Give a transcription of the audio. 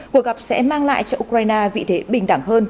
cuộc gặp sẽ mang lại cho ukraine vị thế bình đẳng hơn